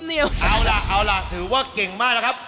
เอาล่ะถือว่าเก่งมากนะครับ